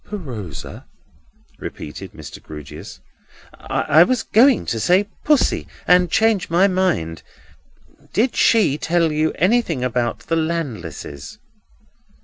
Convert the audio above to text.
"PRosa?" repeated Mr. Grewgious. "I was going to say Pussy, and changed my mind;—did she tell you anything about the Landlesses?"